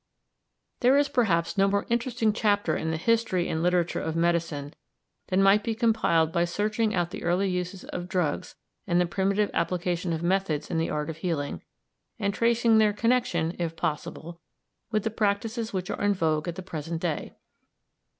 There is perhaps no more interesting chapter in the history and literature of medicine than might be compiled by searching out the early uses of drugs and the primitive application of methods in the art of healing, and tracing their connection, if possible, with the practices which are in vogue at the present day.